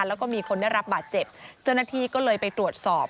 แล้วก็มีคนได้รับบาดเจ็บเจ้าหน้าที่ก็เลยไปตรวจสอบ